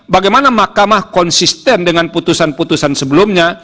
bagaimana mahkamah konsisten dengan putusan putusan sebelumnya